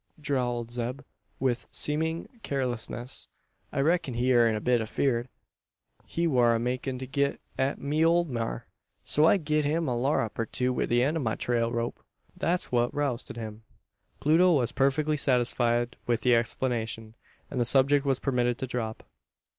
drawled Zeb, with seeming carelessness. "I reck'n he air a bit afeerd. He war makin' to get at my ole maar, so I gied him a larrup or two wi' the eend o' my trail rope. Thet's what has rousted him." Pluto was perfectly satisfied with the explanation, and the subject was permitted to drop.